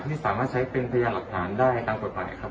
ไม่สามารถใช้เป็นพยานหลักฐานได้ตามกฎหมายครับ